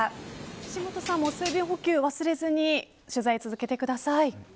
岸本さんも水分補給を忘れずに取材を続けてください。